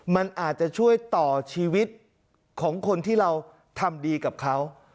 มันอาจจะช่วยต่อชีวิตของคนที่เราทำดีกับเขา